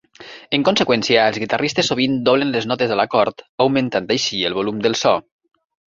En conseqüència, els guitarristes sovint doblen les notes a l'acord, augmentant així el volum del so.